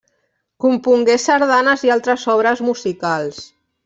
Compongué sardanes i altres obres musicals.